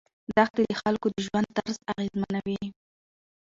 دښتې د خلکو د ژوند طرز اغېزمنوي.